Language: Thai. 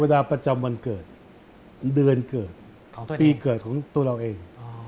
เดือนเกิดปีเกิดของตัวเราเอง